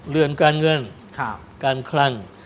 เรื่องการเงินการคลั่ง